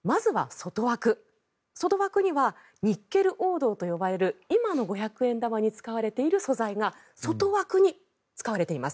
外枠にはニッケル黄銅と呼ばれる今の五百円玉に使われている素材が外枠に使われています。